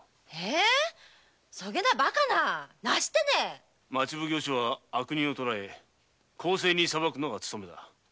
えそげなバカななしてね町奉行所は悪人を捕え公正に裁くのが務めだ。